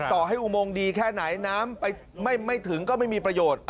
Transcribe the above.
ต่อให้อุโมงดีแค่ไหนน้ำไปไม่ถึงก็ไม่มีประโยชน์